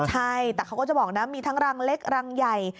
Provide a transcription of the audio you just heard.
ใช่แต่เขาก็จะบอกนะมีทั้งรังเล็กรังใหญ่